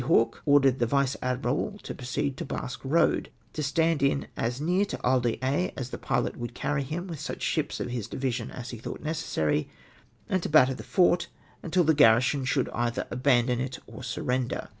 Hawke ordered the Vice Admiral to proceed to Basque Koad, to stand in as near t(j He d'Aix as the pilot would carry I dm, with such ships of his division as he thought necessary, and to butter the fort, untd the garrison should either abandon it or surrender.''''